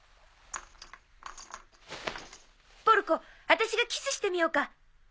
ポルコ私がキスしてみようか。